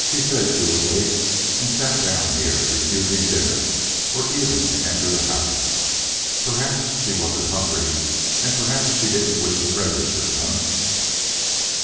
She said she would wait, and sat down here, refusing dinner, or even to enter the house. Perhaps she wasn't hungry, and perhaps she didn't wish to register, eh?"